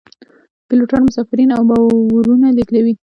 پیلوټان مسافرین او بارونه لیږدوي